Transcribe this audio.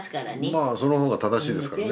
まあその方が正しいですからね。